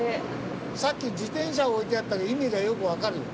さっき自転車が置いてあったけど意味がよくわかるよ。